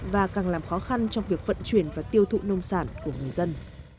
và càng làm khó khăn trong việc vận chuyển và tiêu thụ nông sản của người dân